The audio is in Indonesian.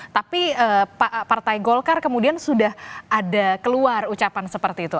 tapi partai golkar kemudian sudah ada keluar ucapan seperti itu